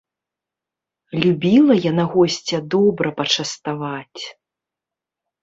Любіла яна госця добра пачаставаць.